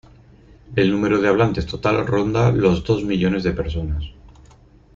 El número de hablantes total ronda los dos millones de personas.